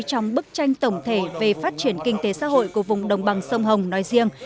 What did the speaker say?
trong bức tranh tổng thể về phát triển kinh tế xã hội của vùng đồng bằng sông hồng nói riêng